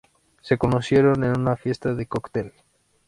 Se conocieron en una fiesta de cóctel.